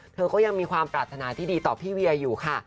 เธอก็ยังมีความปรารถนาที่ดีต่อพี่เวียอยู่ค่ะ